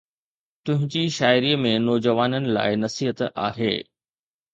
تنهنجي شاعريءَ ۾ نوجوانن لاءِ نصيحت آهي